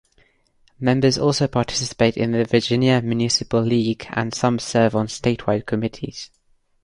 Members also participate in the Virginia Municipal League and some serve on statewide committees.